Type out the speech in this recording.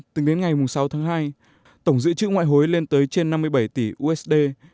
từ ngày sáu tháng hai tổng dự trữ ngoại hối lên tới trên năm mươi bảy tỷ usd